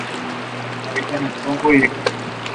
Habita en el Congo y en Camerún.